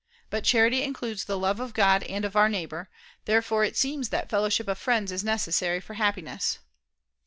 But charity includes the love of God and of our neighbor. Therefore it seems that fellowship of friends is necessary for Happiness.